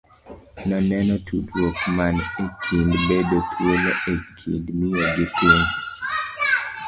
Noneno tudruok man e kind bedo thuolo e kind miyo gi piny.